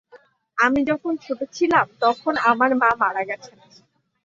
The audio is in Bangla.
আমি যখন ছোটো ছিলাম তখন আমার মা মারা গেছেন।